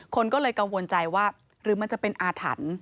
คนก็เลยกังวลใจว่าหรือมันจะเป็นอาถรรพ์